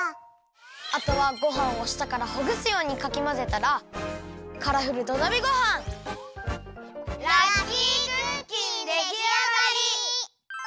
あとはごはんをしたからほぐすようにかきまぜたらラッキークッキンできあがり！